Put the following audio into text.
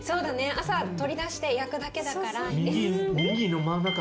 朝取り出して焼くだけだから。